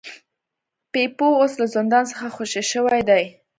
بیپو اوس له زندان څخه خوشې شوی دی.